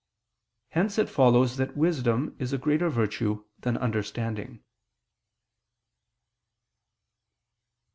Hence it follows that wisdom is a greater virtue than understanding.